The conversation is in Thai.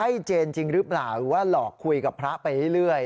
เจนจริงหรือเปล่าหรือว่าหลอกคุยกับพระไปเรื่อย